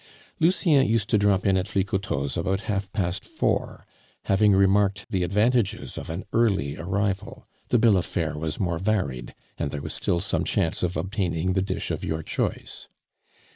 Lucien used to drop in at Flicoteaux's about half past four, having remarked the advantages of an early arrival; the bill of fare was more varied, and there was still some chance of obtaining the dish of your choice.